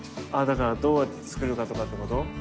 だからどうやって造るかとかって事？